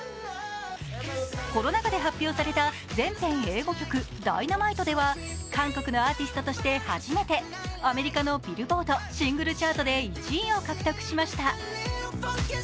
コロナ禍で発表された全編英語曲「Ｄｙｎａｍｉｔｅ」では、韓国のアーティストとして初めてアメリカのビルボードシングルチャートで１位を獲得しました。